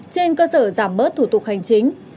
trên cơ sở giảm bớt thủ tục hành chính